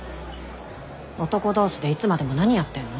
男同士でいつまでも何やってんの？